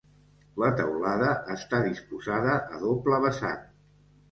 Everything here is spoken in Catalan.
La teulada està disposada a doble vessant.